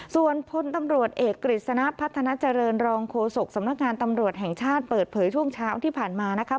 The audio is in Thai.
ส่วนพลตำรวจเอกกฤษณะพัฒนาเจริญรองโฆษกสำนักงานตำรวจแห่งชาติเปิดเผยช่วงเช้าที่ผ่านมานะคะ